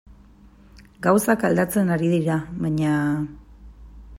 Gauzak aldatzen ari dira, baina...